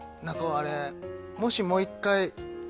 あれ